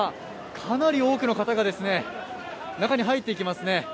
かなり多くの方が中に入っていきますね。